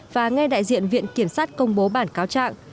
và ngay đại diện viện kiểm sát công bố bản cáo trạng